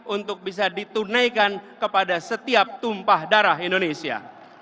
untuk bisa ditunaikan kepada setiap tumpah darah indonesia